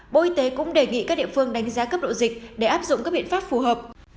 bộ y tế cũng đề nghị các địa phương đánh giá cấp độ dịch để áp dụng các biện pháp phù hợp